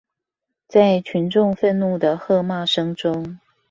在群眾憤怒的喝罵聲中